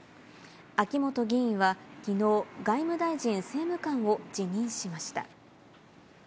秋本議員はきのう、外務大臣政務官を辞任しました。